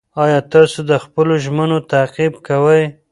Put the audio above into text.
ایا تاسو د خپلو ژمنو تعقیب کوئ؟